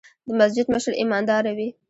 د مسجد مشر ايمانداره وي.